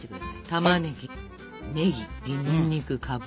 玉ねぎねぎにんにくかぶ。